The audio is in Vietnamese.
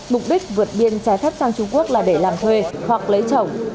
mục đích vượt biên trái phép sang trung quốc là để làm thuê hoặc lấy chồng